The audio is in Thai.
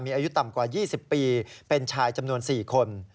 อายุต่ำกว่า๒๐ปีเป็นชายจำนวน๔คน